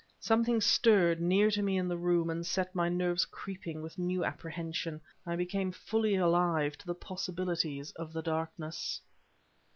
Something stirred, near to me in the room, and set my nerves creeping with a new apprehension. I became fully alive to the possibilities of the darkness.